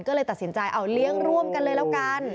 ก็เลยตัดสินใจเอาเลี้ยงร่วมกันเลยแล้วกัน